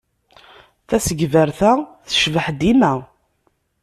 Tasegbart-a tecbeḥ dima.